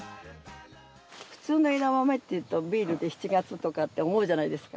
普通の枝豆っていうとビールで７月とかって思うじゃないですか。